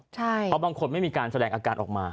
เพราะบางคนไม่มีการแสดงอาการออกมา